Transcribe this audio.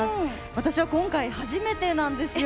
私は今回初めてなんですよ。